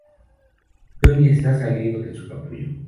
Jonny está saliendo de su capullo.